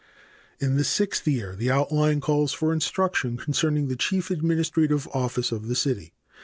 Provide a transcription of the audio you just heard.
In the sixth year the outline calls for instruction concerning the chief administrative office of the city.